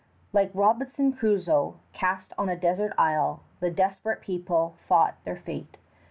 Like Robinson Crusoe cast on a desert isle, the desperate people fought their fate.